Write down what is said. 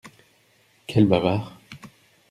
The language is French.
Quel bavard !